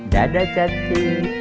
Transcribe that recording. dadah kak tin